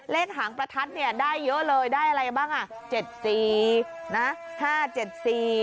หางประทัดเนี่ยได้เยอะเลยได้อะไรบ้างอ่ะเจ็ดสี่นะห้าเจ็ดสี่